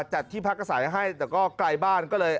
จัดที่พักอาศัยให้แต่ก็ไกลบ้านก็เลย